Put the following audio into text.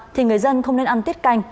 thì người dân không nên ăn tiết canh